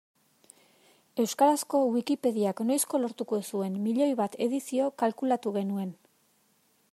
Euskarazko Wikipediak noizko lortuko zuen miloi bat edizio kalkulatu genuen.